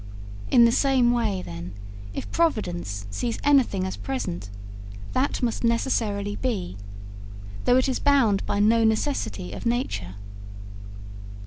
In the same way, then, if Providence sees anything as present, that must necessarily be, though it is bound by no necessity of nature.